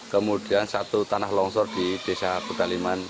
kemudian satu tanah longsor di desa pekaliman